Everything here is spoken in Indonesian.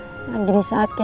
kamu masih aja bisa bongkok